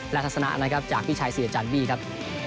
และทัศนะนะครับจากพี่ชัยเสียอาจารย์บี้ครับ